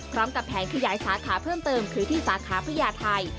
พร้อมกับแผนขยายสาขาเพิ่มเติมคือที่สาขาพญาไทย